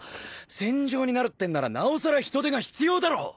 戦場になるってんならなおさら人手が必要だろう！